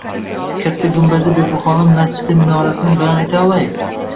Katta gumbazli Bibixonim masjidi minorasini bayon eta olay?!